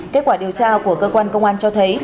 kết quả điều tra của cơ quan công an cho thấy